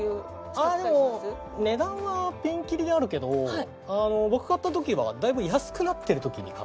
ああでも値段はピンキリあるけど僕買った時はだいぶ安くなってる時に買ったから。